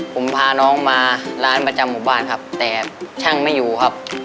ผมพาน้องมาร้านประจำหมู่บ้านครับแต่ช่างไม่อยู่ครับ